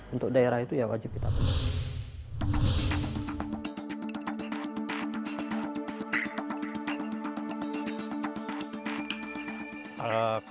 untuk daerah itu ya wajib kita tutup